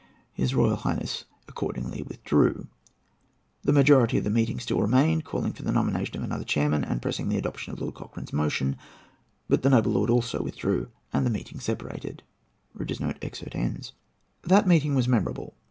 His Royal Highness accordingly withdrew. The majority of the meeting still remained, calling for the nomination of another chairman, and pressing the adoption of Lord Cochrane's motion; but the noble lord also withdrew, and the meeting separated. That meeting was memorable.